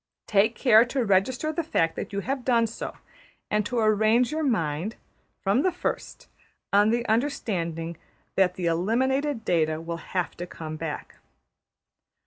Take care to register the fact that you have done so, and to arrange your mind, from the first, on the understanding that the eliminated data will have to come back.